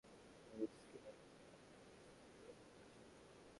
আমি হুইস্কি ঢালার সময়ে আপনি মুখ বিকৃত করেছিলেন।